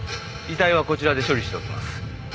遺体はこちらで処理しておきます。